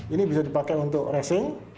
ini bisa dipakai untuk racing